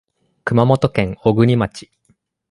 熊本県小国町